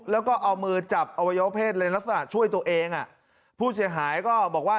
แล้วก็เอามือจับอวัยวะเพศในลักษณะช่วยตัวเองอ่ะผู้เสียหายก็บอกว่า